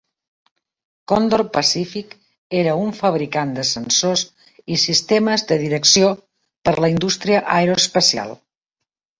Condor Pacific era un fabricant de sensors i sistemes de direcció per a la indústria aeroespacial.